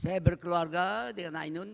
saya berkeluarga dengan ainun